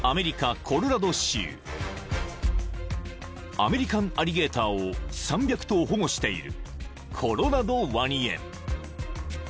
［アメリカンアリゲーターを３００頭保護している］